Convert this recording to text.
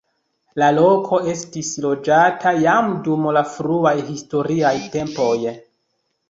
La loko estis loĝata jam dum la fruaj historiaj tempoj.